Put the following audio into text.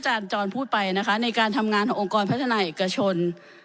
อาจารย์จรพูดไปนะคะในการทำงานขององค์กรพัฒนาเอกชน